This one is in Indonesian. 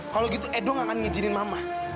kalau gitu edo nggak akan ngejirin mama